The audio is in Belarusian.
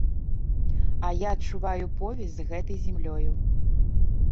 А я адчуваю повязь з гэтай зямлёю.